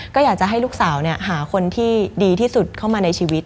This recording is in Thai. ก็อยากจะให้ลูกสาวหาคนที่ดีที่สุดเข้ามาในชีวิต